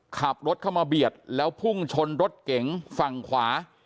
ขับรถเข้ามาเบียดแล้วพุ่งชนรถเก๋งฝั่งขวา